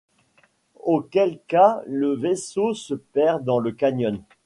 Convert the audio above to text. Auquel cas le vaisseau se perd dans le canyon.